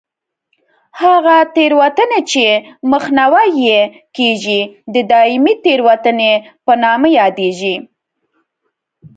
هغه تېروتنې چې مخنیوی یې کېږي د دایمي تېروتنې په نامه یادېږي.